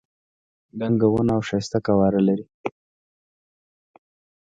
دنګه ونه او ښایسته قواره لري.